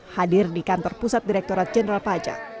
hadir di kantor pusat direkturat jenderal pajak